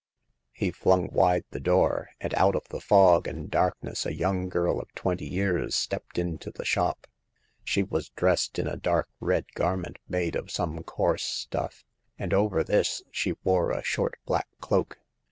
He flung wide the door, and out of the fog and darkness a young girl of twenty years stepped into the shop. She was dressed in a dark red garment made of some coarse stuff, and over this she wore a short black cloak.